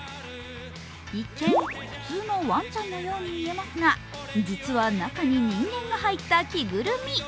一見、普通のワンちゃんのように見えますが、実は中に人間が入った着ぐるみ。